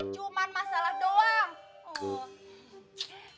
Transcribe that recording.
cuman masalah doang